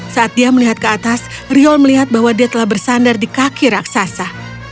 saat dia melihat ke atas riol melihat bahwa dia telah bersandar di kaki raksasa